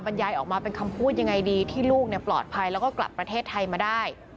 ยายออกมาเป็นคำพูดยังไงดีที่ลูกปลอดภัยแล้วก็กลับประเทศไทยมาได้